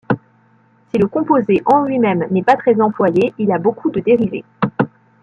Si le composé en lui-même n'est pas très employé, il a beaucoup de dérivés.